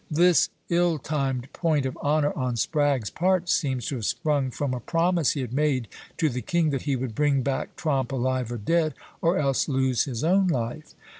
This ill timed point of honor on Spragge's part seems to have sprung from a promise he had made to the king that he would bring back Tromp alive or dead, or else lose his own life.